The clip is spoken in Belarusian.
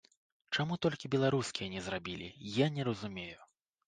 Чаму толькі беларускія не зрабілі, я не разумею.